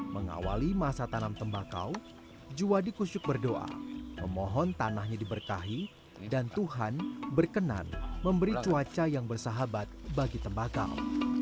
mengawali masa tanam tembakau juwadi kusyuk berdoa memohon tanahnya diberkahi dan tuhan berkenan memberi cuaca yang bersahabat bagi tembakau